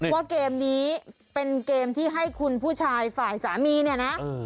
ว่าเกมนี้เป็นเกมที่ให้คุณผู้ชายฝ่ายสามีเนี่ยนะ